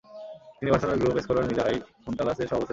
তিনি বার্সেলোনার গ্রুপ এসকোলার মিঁলে আই ফোনতানালস-এর সভাপতি হন।